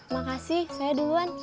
makasih saya duluan